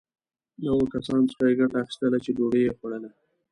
له هغو کسانو څخه یې ګټه اخیستله چې ډوډی یې خوړله.